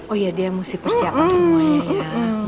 oh ya dia mesti persiapan semuanya ya